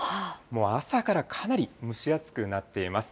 もう朝からかなり蒸し暑くなっています。